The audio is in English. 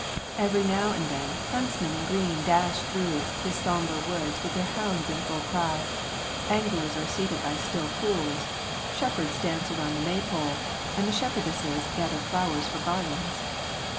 Every now and then, huntsmen in green dash through his sombre woods with their hounds in full cry; anglers are seated by still pools, shepherds dance around the May pole, and shepherdesses gather flowers for garlands.